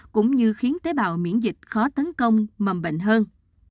cũng như khiến tế bào miễn dịch khó tấn công mầm bệnh hơn